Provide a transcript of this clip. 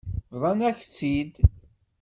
Bḍan-ak-tt-id.